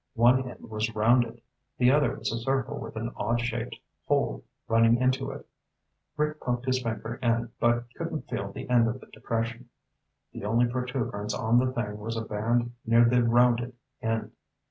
One end was rounded. The other was a circle with an odd shaped hole running into it. Rick poked his finger in, but couldn't feel the end of the depression. The only protuberance on the thing was a band near the rounded end.